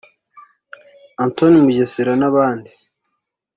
Antoine Mugesera n’abandi